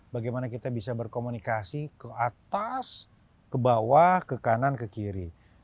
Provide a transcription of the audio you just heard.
bagaimana kita bisa berkomunikasi ke atas ke bawah ke kanan ke kiri